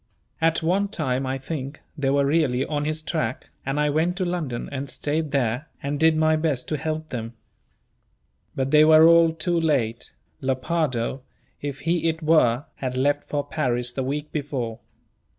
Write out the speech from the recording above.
At one time, I think, they were really on his track, and I went to London, and stayed there, and did my best to help them. But they were all too late; Lepardo, if he it were, had left for Paris the week before.